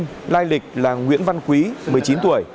ban đầu được xác minh lai lịch là nguyễn văn quý một mươi chín tuổi